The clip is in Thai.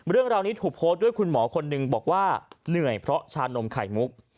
เรื่องราวนี้ถูกโพสต์ด้วยคุณหมอคนหนึ่งบอกว่าเหนื่อยเพราะชานมไข่มุก